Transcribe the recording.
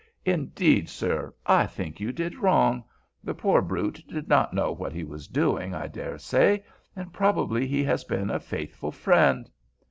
Indeed, sir. I think you did wrong. The poor brute did not know what he was doing, I dare say, and probably he has been a faithful friend."